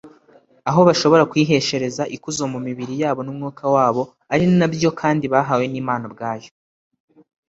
aho bashobora kuyiheshereza ikuzo mu mibiri yabo n'umwuka wabo, ari na byo kandi bahawe n'imana ubwayo